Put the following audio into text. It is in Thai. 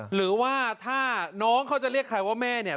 หรือว่าถ้าน้องเขาจะเรียกใครว่าแม่เนี่ย